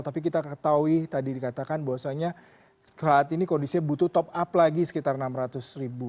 tapi kita ketahui tadi dikatakan bahwa soalnya saat ini kondisinya butuh top up lagi sekitar rp enam ratus